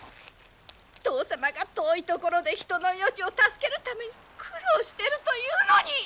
父様が遠い所で人の命を助けるために苦労してるというのに！